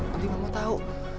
nanti mama tahu